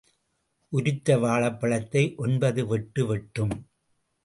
உரித்த வாழைப் பழத்தை ஒன்பது வெட்டு வெட்டும்.